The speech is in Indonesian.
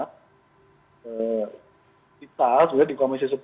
kita sebenarnya di komisi sepuluh